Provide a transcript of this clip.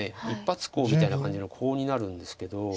一発コウみたいな感じのコウになるんですけど。